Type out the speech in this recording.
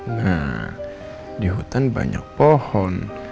nah di hutan banyak pohon